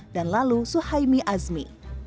dan lalu suhaimi azmi